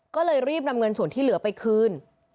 ก็เลยรีบนำเงินส่วนที่เหลือไปคืน